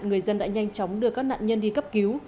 người dân đã nhanh chóng đưa các nạn nhân đi cấp cứu